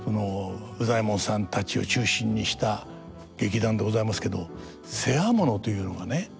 羽左衛門さんたちを中心にした劇団でございますけど世話物というのがね